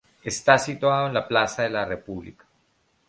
Está situado en la Plaza de la República.